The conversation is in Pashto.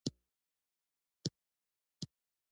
کرنه د غنمو، وريجو، او جوارو تولید زیاتوي.